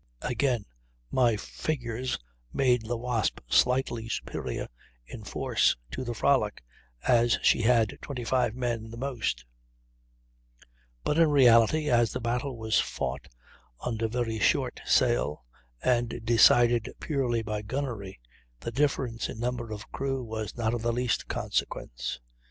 Again, my figures make the Wasp slightly superior in force to the Frolic, as she had 25 men the most; but in reality, as the battle was fought under very short sail, and decided purely by gunnery, the difference in number of crew was not of the least consequence.